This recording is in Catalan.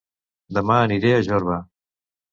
Dema aniré a Jorba